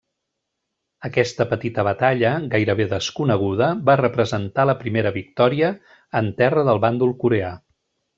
Aquesta petita batalla, gairebé desconeguda, va representar la primera victòria en terra del bàndol coreà.